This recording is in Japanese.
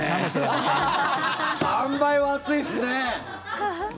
３倍は熱いっすね。